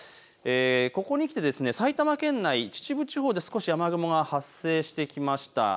ここに来て埼玉県内、秩父地方で少し雨雲が発生してきました。